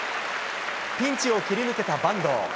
ピンチを切り抜けた板東。